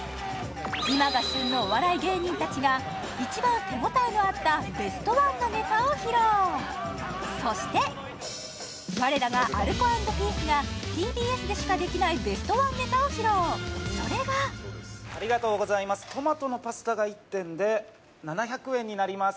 今が旬のお笑い芸人達が一番手応えのあったベストワンなネタを披露そして我らがアルコ＆ピースがＴＢＳでしかできないベストワンネタを披露それがありがとうございますトマトのパスタが１点で７００円になります